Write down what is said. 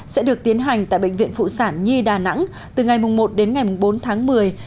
sẽ được tiến hành tại bệnh viện phụ sản nhi đà nẵng từ ngày một đến ngày bốn tháng một mươi